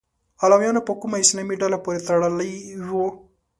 علویانو په کومه اسلامي ډلې پورې تړلي وو؟